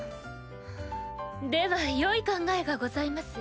では良い考えがございます。